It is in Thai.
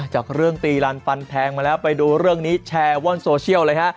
จากเรื่องตีรันฟันแทงมาแล้วไปดูเรื่องนี้แชร์ว่อนโซเชียลเลยฮะ